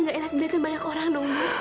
nggak enak dilihatin banyak orang dong bu